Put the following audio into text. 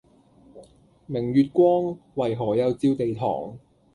明月光，為何又照地堂